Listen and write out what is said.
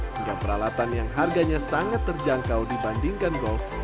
hingga peralatan yang harganya sangat terjangkau dibandingkan golf